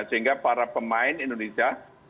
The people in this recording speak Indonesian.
sehingga para pemain indonesia